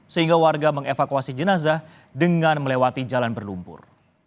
sehingga warga mengevakuasi jenazah dengan melewati jalan berlumpur